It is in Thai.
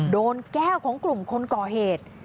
โดนแก้วของกลุ่มคนก่อเหตุ